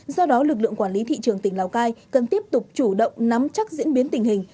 do đó lực lượng quản lý thị trường tỉnh lào cai cần tiếp tục chủ động nắm chắc diễn biến tình hình